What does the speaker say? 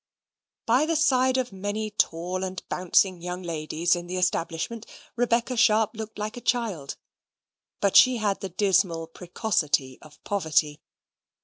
By the side of many tall and bouncing young ladies in the establishment, Rebecca Sharp looked like a child. But she had the dismal precocity of poverty.